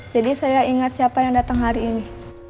jadi saya ingat siapa yang dateng hari ini